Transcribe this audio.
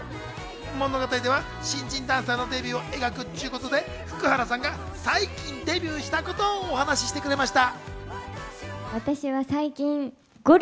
物語では新人ダンサーのデビューを描くということで福原さんが最近デビューしたことをお話してくれました。